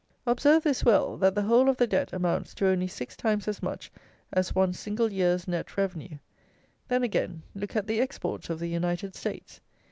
Observe this well, that the whole of the debt amounts to only six times as much as one single year's net revenue. Then, again, look at the exports of the United States.